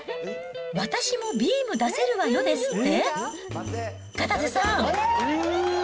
私もビーム出せるわよですって？